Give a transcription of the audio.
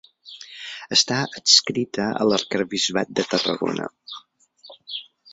Està adscrita a l'Arquebisbat de Tarragona.